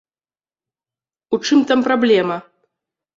У чым там праблема?